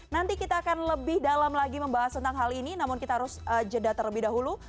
nanti kita akan lebih dalam lagi membahas tentang hal ini namun kita harus jeda terlebih dahulu